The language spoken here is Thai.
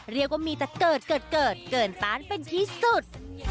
เรียกว่ามีแต่เกิดเกิดต้านเป็นที่สุด